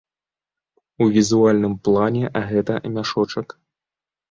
У візуальным плане гэта мяшочак.